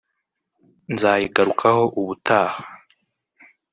nzayigarukaho ubutaha